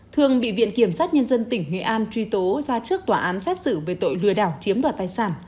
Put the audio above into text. thường bị viện kiểm sát nhân dân tỉnh nghệ an truy tố ra trước tòa án xét xử về tội lừa đảo chiếm đoạt tài sản